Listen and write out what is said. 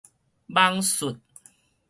蚊蟀